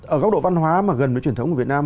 ở góc độ văn hóa mà gần với truyền thống của việt nam